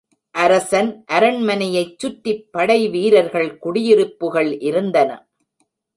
அரசன் அரண்மனையைச் சுற்றிப் படை வீரர்கள் குடியிருப்புகள் இருந்தன.